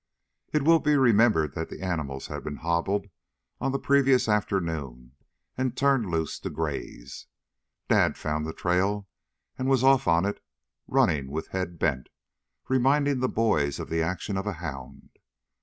It will be remembered that the animals had been hobbled on the previous afternoon and turned loose to graze. Dad found the trail and was off on it running with head bent, reminding the boys of the actions of a hound.